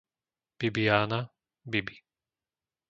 Bibiána, Bibi